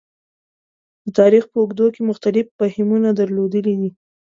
د تاریخ په اوږدو کې مختلف فهمونه درلودلي دي.